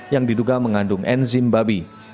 yang diduga mengandung enzim babi